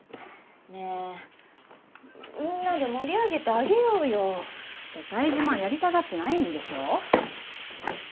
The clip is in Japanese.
ねえみんなで盛り上げてあげようよ。って冴島はやりたがってないんでしょ？